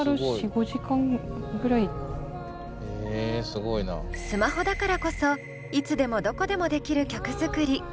おうちスマホだからこそいつでもどこでもできる曲作り。